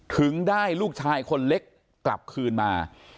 ถึงได้ลูกชายคนเล็กกลับคืนมา